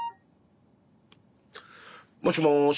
もしもし。